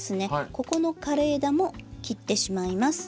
ここの枯れ枝も切ってしまいます。